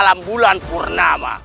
malam bulan purnama